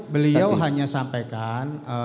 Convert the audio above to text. beliau hanya sampaikan